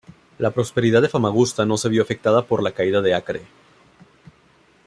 La prosperidad de Famagusta no se vio afectada por la caída de Acre.